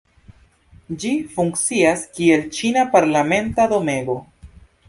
Ĝi funkcias kiel ĉina parlamenta domego.